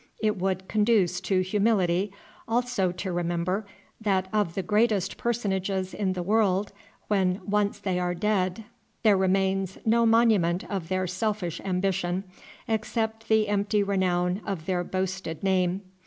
It would conduce to humility also to remember that of the greatest personages in the world when once they are dead there remains no monument of their selfish ambition except the empty renown of their boasted name.